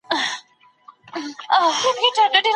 خبرو کولو مهارت تر لیکلو ژر پیاوړی کوي.